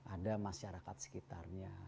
ada masyarakat sekitarnya